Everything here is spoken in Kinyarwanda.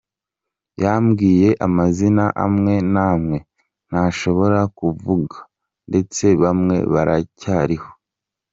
Yambwiye amazina amwe n’amwe ntashobora kuvuga ndetse bamwe baracyariho.